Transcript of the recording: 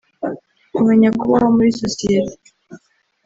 kumenya kubaho muri sosiyete